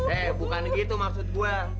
eh bukan gitu maksud gue